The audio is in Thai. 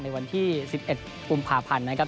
ในวันที่๑๑กุมภาพันธ์นะครับ